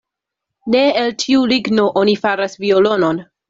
Ne el ĉiu ligno oni faras violonon.